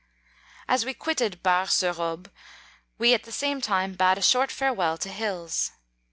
30 As we quitted Bar sur Aube, we at the same time bade a short farewel to hills.